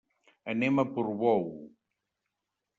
Anem a Portbou.